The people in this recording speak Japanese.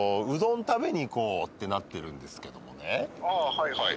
はいはい。